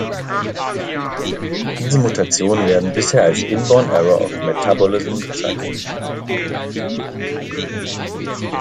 Diese Mutationen werden bisher als "inborn-error of metabolism" bezeichnet.